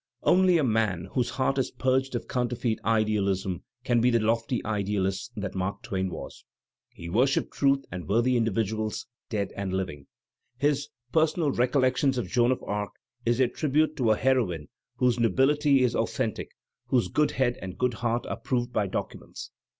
Only a man whose heart is purged of counterfeit idealism can be the lofty idealist that Mark Twain was. He wor shipped truth and worthy individuals dead and living. His "" Personal Recollections of Joan of Arc'* is a tribute to a heroine whose nobiUty is authentic, whose good head and good heart are proved by documents.